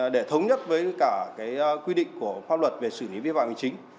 để thống nhất với cả cái quy định của pháp luật về xử lý vi phạm hình chính